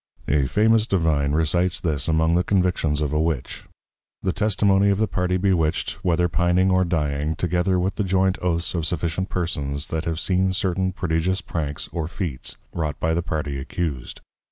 A famous Divine recites this among the Convictions of a Witch; _The Testimony of the party Bewitched, whether Pining or Dying; together with the joint Oaths of sufficient Persons that have seen certain Prodigious Pranks or Feats wrought by the Party Accused.